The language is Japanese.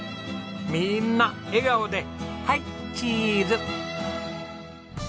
みんな笑顔ではいチーズ！